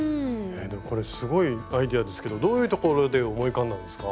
これすごいアイデアですけどどういうところで思い浮かんだんですか？